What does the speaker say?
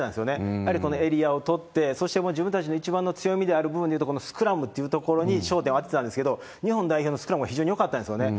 やはりこのエリアを取って、自分たちの一番の強みであるスクラムという部分に焦点を当てたんですけれども、日本代表、スクラムが非常によかったんですね。